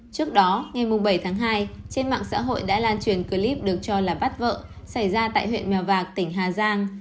trước đó ngày bảy tháng hai trên mạng xã hội đã lan truyền clip được cho là bắt vợ xảy ra tại huyện mèo vạc tỉnh hà giang